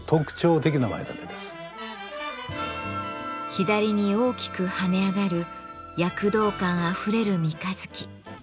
左に大きく跳ね上がる躍動感あふれる三日月。